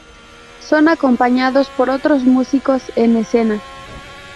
Son acompañados por otros músicos en escena.